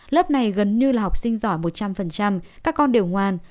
lớp này gần như là học sinh giỏi một trăm linh các con đều ngoan